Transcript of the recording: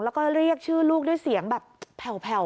แล้วก็เรียกชื่อลูกด้วยเสียงแบบแผ่ว